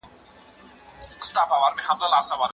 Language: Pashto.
ابو عبيده رضي الله عنه عادل قوماندان و.